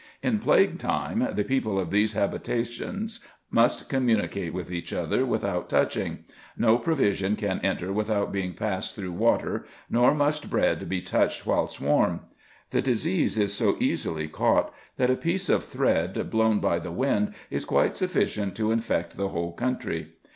In plague time, the people of these habitations must communicate with each other without touching : no provision can enter without being passed through water, nor must bread be touched whilst warm. The disease is so easily caught, that a piece of thread blown by the wind is quite sufficient to infect the whole country.